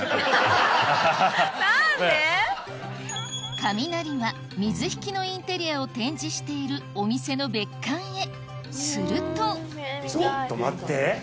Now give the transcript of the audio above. カミナリは水引のインテリアを展示しているお店の別館へするとちょっと待って。